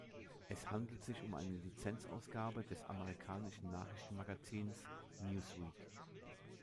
Es handelt sich um eine Lizenz-Ausgabe des amerikanischen Nachrichtenmagazins Newsweek.